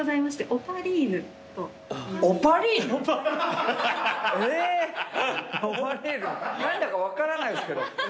オパリーヌ何だか分からないですけど。